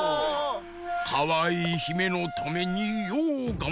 かわいいひめのためにようがんばった！